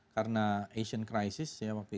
karena asian crisis